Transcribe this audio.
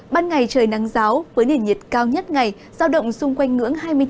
ban ngày trời nắng ráo với nền nhiệt cao nhất ngày giao động xung quanh ngưỡng hai mươi chín ba mươi hai độ có nơi cao hơn